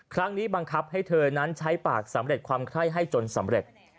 ครั้งนี้บังคับให้เธอนั้นใช้ปากสำเร็จความไข้ให้จนสำเร็จ